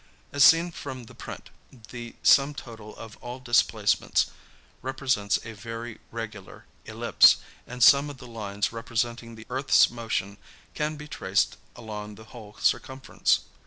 As seen from the print, the sum total of all displacements represents a very regular ellipse, and some of the lines representing the earth's motion can be traced along the whole circumference.